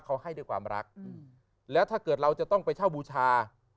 เขาให้ด้วยความรักแล้วถ้าเกิดเราจะต้องไปเช่าบูชา